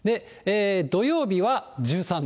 土曜日は１３度。